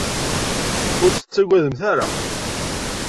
Ur tt-tettagademt ara.